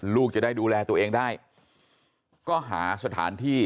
ลูกจะได้ดูแลตัวเองได้ก็หาสถานที่